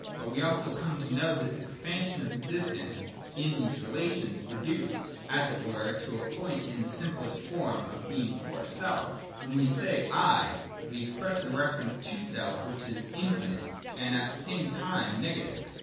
But we also come to know this expansion of existence (in these relations) reduced, as it were, to a point in the simple form of being for self. /When we say ' I,' we express the reference to self which is rrrfinite, and at the same time negative.